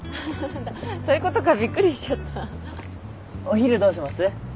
お昼どうします？